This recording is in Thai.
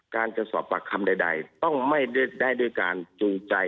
การจะสอบปากคำใดต้องไม่ได้ด้วยการจูงใจ